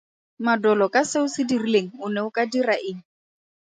Madolo ka se o se dirileng, o ne o ka dira eng?